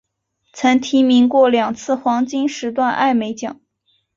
曾提名过两次黄金时段艾美奖。